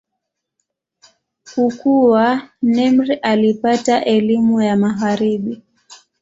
Kukua, Nimr alipata elimu ya Magharibi.